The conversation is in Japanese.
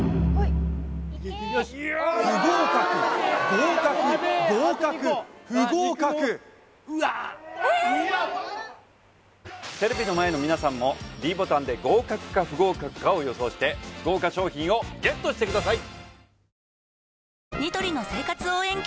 不合格合格合格不合格テレビの前の皆さんもｄボタンで合格か不合格かを予想して豪華賞品をＧＥＴしてください